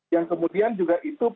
yang kemudian juga itu